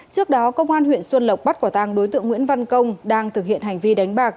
trước đó công an huyện xuân lộc bắt quả tàng đối tượng nguyễn văn công đang thực hiện hành vi đánh bạc